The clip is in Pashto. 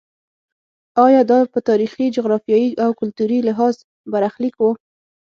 ایا دا په تاریخي، جغرافیایي او کلتوري لحاظ برخلیک و.